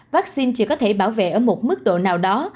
vaccine chỉ có thể bảo vệ ở một mức độ nào đó